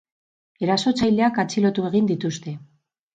Erasotzaileak atxilotu egin dituzte.